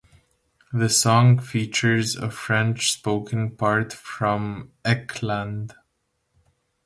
The song features a French spoken part from Ekland.